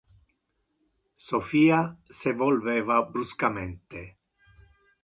Sophia se volveva bruscamente.